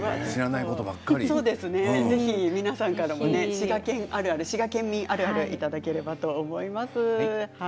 ぜひ皆さんから滋賀県民あるあるいただけたらと思います。